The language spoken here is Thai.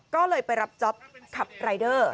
ก็เลยไปรับจ๊อปขับรายเดอร์